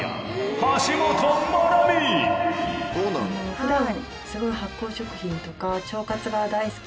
ふだん。